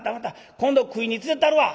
今度食いに連れてったるわ」。